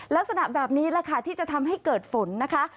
ลักษณะแบบนี้แหละค่ะที่จะทำให้เกิดฝนนะคะ